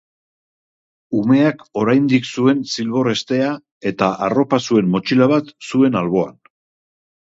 Umeak oraindik zuen zilbor-hestea eta arropa zuen motxila bat zuen alboan.